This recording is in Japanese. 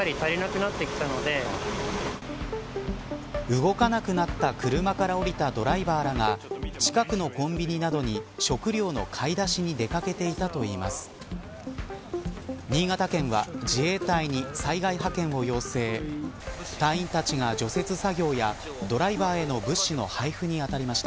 動かなくなった車から降りたドライバーらが近くのコンビニなどに食料の買い出しに出掛けていたといいます。